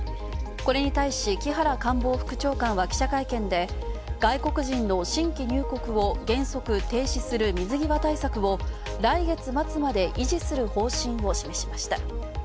これに対して木原官房副長官は記者会見で外国人の新規入国を原則停止する水際対策を来月末まで維持する方針を示しました。